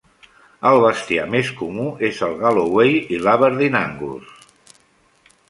El bestiar més comú és el Galloway i l'Aberdeen Angus.